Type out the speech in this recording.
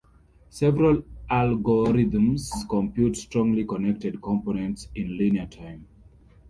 Several algorithms compute strongly connected components in linear time.